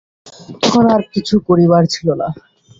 তখন আর কিছু করিবার ছিল না।